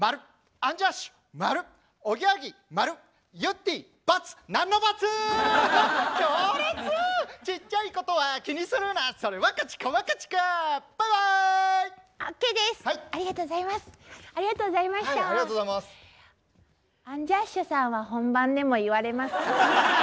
アンジャッシュさんは本番でも言われますか？